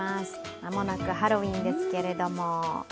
間もなくハロウィーンですけれども。